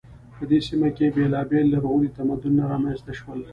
په دې سیمه کې بیلابیل لرغوني تمدنونه رامنځته شول.